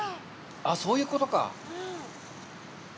ああ、そういうことか。